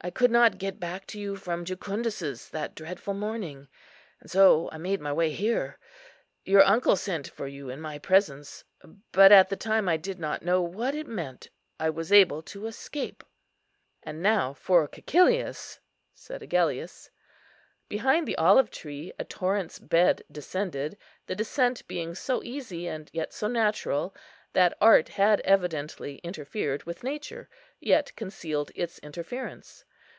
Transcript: I could not get back to you from Jucundus's that dreadful morning, and so I made my way here. Your uncle sent for you in my presence, but at the time I did not know what it meant. I was able to escape." "And now for Cæcilius," said Agellius. Behind the olive tree a torrent's bed descended; the descent being so easy, and yet so natural, that art had evidently interfered with nature, yet concealed its interference.